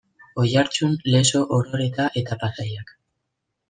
Oiartzun, Lezo, Orereta eta Pasaiak.